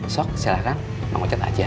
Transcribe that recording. sok silakan mengocat aja